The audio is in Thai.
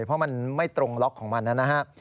เพราะมันไม่ตรงล็อกของมันนะครับ